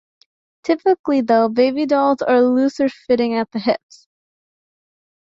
Typically, though, babydolls are looser fitting at the hips.